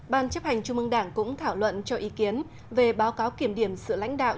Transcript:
ban chấp hành trung mương đảng cũng thảo luận cho ý kiến về báo cáo kiểm điểm sự lãnh đạo